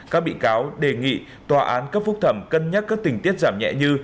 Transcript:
các bị cáo đề nghị tòa án cấp phúc thẩm cân nhắc các tình tiết giảm nhẹ như